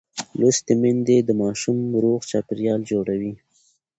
لوستې میندې د ماشوم روغ چاپېریال جوړوي.